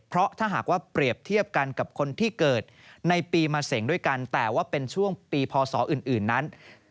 เพราะถ้าหากว่าเปรียบเทียบกันกับคนที่เกิดในปีมะเสงด้วยกันแต่ว่าเป็นช่วงปีพศอื่นนั้น